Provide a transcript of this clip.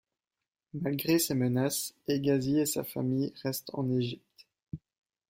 Malgré ces menaces, Hegazy et sa famille reste en Egypte.